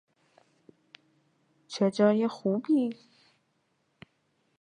چه جای خوبی!